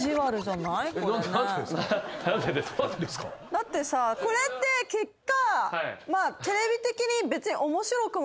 だってさこれって結果。